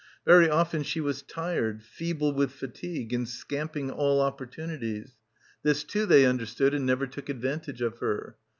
Very often she was tired, feeble with fatigue and scamping all opportunities; this too they under stood and never took advantage of her.